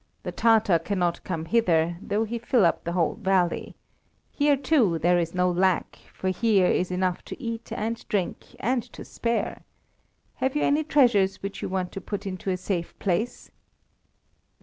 The Tatar cannot come hither, though he fill up the whole valley. Here, too, there is no lack, for here is enough to eat and drink and to spare. Have you any treasures which you want put into a safe place?"